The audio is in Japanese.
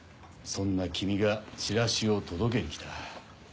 そんな君がチラシを届けに来た。